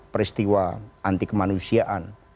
peristiwa anti kemanusiaan